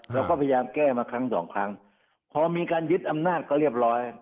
เราก็พยายามแก้มาครั้งสองครั้งพอมีการยึดอำนาจก็เรียบร้อย